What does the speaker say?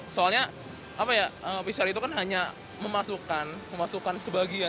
soalnya pcr itu kan hanya memasukkan sebagian